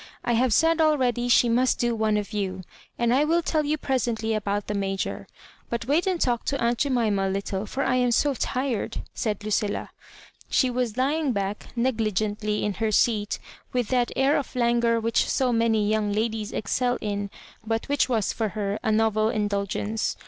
I have said already she must do one of you ; and I will tell you presently about the Major. But wait and talk to aunt Jemima a little, for I am so tired," said Lucilla. She ^was lying back negligently in her seat, with that air of languor which so many young ladies excel in, but which was for her a novel indulgence.